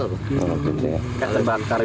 terbakar gitu ya